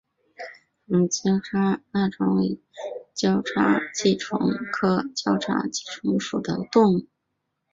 红交叉棘虫为交叉棘虫科交叉棘虫属的动物。